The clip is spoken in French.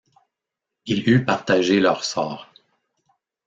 Il eût partagé leur sort.